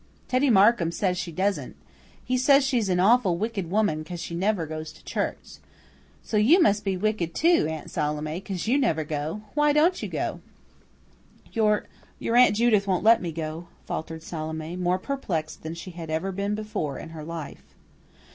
Teddy Markham says she doesn't. He says she's an awful wicked woman 'cause she never goes to church. So you must be wicked too, Aunt Salome, 'cause you never go. Why don't you?" "Your your Aunt Judith won't let me go," faltered Salome, more perplexed than she had ever been before in her life.